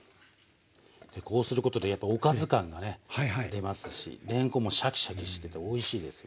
でこうすることでやっぱおかず感がね出ますしれんこんもシャキシャキしてておいしいですよ。